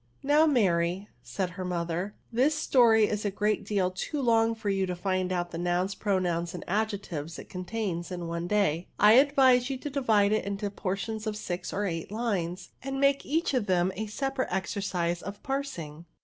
" Now, Mary," said her mother, " this story is a great deal too Icmg for you to find out the nouns, pronouns, and adjectives it contains in one day, I advise you to divide it into portions of six or eight lines, and make each of them a separate exercise of parsing."